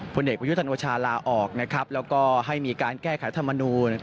ผู้เด็กวิทยุธรรมวชาลลาออกนะครับแล้วก็ให้มีการแก้ขายธรรมนูล